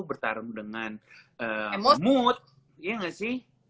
bertarung dengan mood iya nggak sih